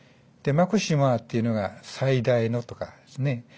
で「マクシマ」っていうのが「最大の」とかですね